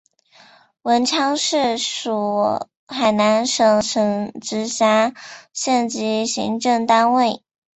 文昌市属海南省省直辖县级行政单位。